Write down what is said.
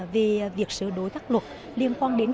về việc xử đối các luật liên quan đến